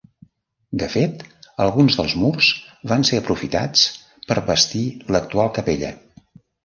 De fet, alguns dels murs van ser aprofitats per bastir l'actual capella.